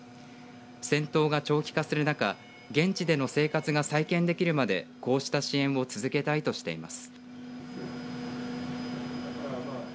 戦闘が長期化する中現地での生活が再建できるまでこうした支援を続けたいとしています。